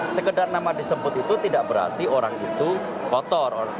sekedar nama disebut itu tidak berarti orang itu kotor